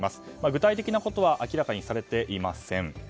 具体的なことは明らかにされていません。